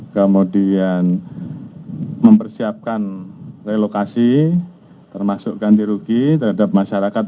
kemudian mempersiapkan relokasi termasuk ganti rugi terhadap masyarakat